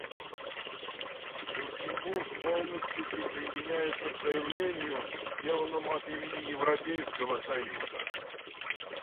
Люксембург полностью присоединяется к заявлению, сделанному от имени Европейского союза.